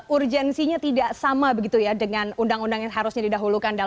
urgensinya tidak sama begitu ya dengan undang undang yang harusnya didahulukan